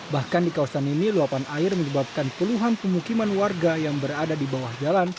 bahkan di kawasan ini luapan air menyebabkan puluhan pemukiman warga yang berada di bawah jalan